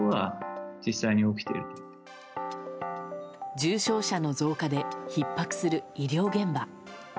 重症者の増加でひっ迫する医療現場。